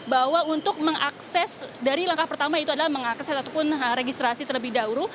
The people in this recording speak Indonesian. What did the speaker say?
bahwa untuk mengakses dari langkah pertama itu adalah mengakses ataupun registrasi terlebih dahulu